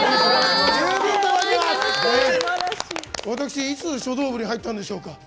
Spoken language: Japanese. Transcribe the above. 私、いつ書道部に入ったのでしょうか？